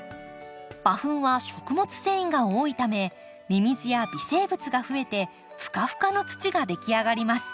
馬ふんは食物繊維が多いためミミズや微生物がふえてふかふかの土ができ上がります。